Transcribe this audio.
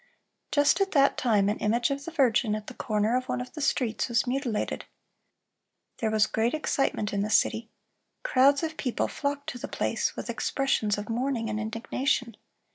"Just at that time an image of the Virgin at the corner of one of the streets, was mutilated." There was great excitement in the city. Crowds of people flocked to the place, with expressions of mourning and indignation.